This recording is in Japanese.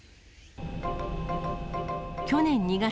去年２月、